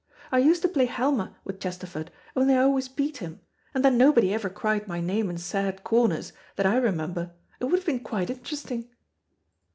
I used to play Halma with Chesterford, only I always beat him; and then nobody ever cried my name in sad corners, that I remember; it would have been quite interesting."